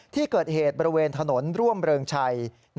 ที่เกิดเหตุบริเวณถนนร่วมเริงชัย